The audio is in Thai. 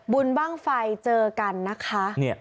บุญบ้างไฟเจอกันนะคะ